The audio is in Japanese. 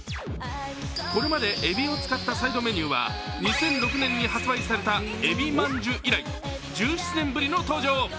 これまでえびを使ったサイドメニューは２００６年に発売されたえびマンジュ以来、１７年ぶりの登場。